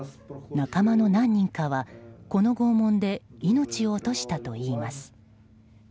仲間の何人かは、この拷問で命を落としたといいます。